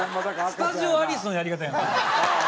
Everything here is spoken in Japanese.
スタジオアリスのやり方やんそれ。